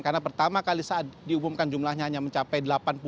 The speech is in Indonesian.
karena pertama kali saat diumumkan jumlahnya hanya mencapai delapan puluh lima